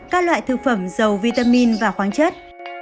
các loại thực phẩm dầu vitamin và khoáng chất